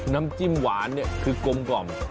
น้ำจิ้มหวานคือกลมกล่อม